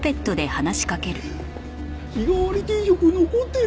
日替わり定食残ってる？